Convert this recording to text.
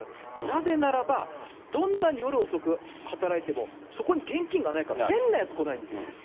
なぜならば、どんなに夜遅く働いても、そこに現金がないから、変なやつ来ないんですよ。